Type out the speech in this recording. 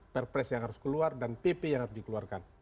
perpres yang harus keluar dan pp yang harus dikeluarkan